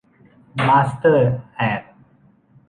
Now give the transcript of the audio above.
มาสเตอร์ แอด